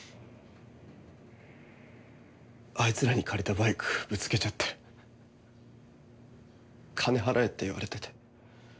あいつらに借りたバイクぶつけちゃって金払えって言われてて。